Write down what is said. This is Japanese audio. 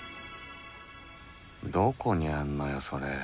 どこにあんのよそれ。